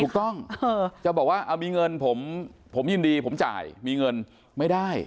จะบอกว่ามีเงินผมยินดีผมจ่ายมีเงินไม่ได้